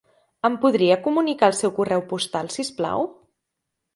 Em podria comunicar el seu correu postal, si us plau?